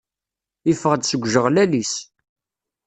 Yeffeɣ-d seg ujeɣlal-is.